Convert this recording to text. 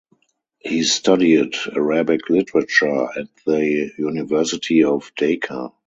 He studied Arabic literature at the University of Dhaka.